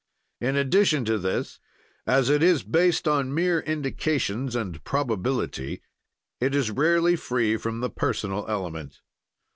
"In addition to this, as it is based on mere indications and probability, it is rarely free from the personal element.